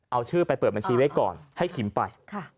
เอาชื่อไปเปิดบัญชีไว้ก่อนให้ขิมไป